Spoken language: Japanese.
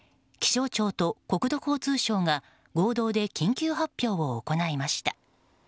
気象庁と国土交通省が合同で緊急発表を行いました。